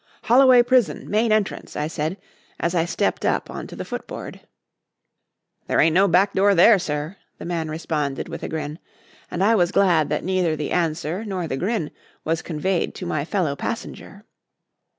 "Holloway Prison main entrance," I said, as I stepped up on to the footboard. "There ain't no back door there, sir," the man responded, with a grin; and I was glad that neither the answer nor the grin was conveyed to my fellow passenger.